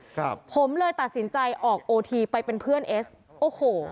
เกิดขึ้นครับผมเลยตัดสินใจออกไปเป็นเพื่อนเอสโอ้โห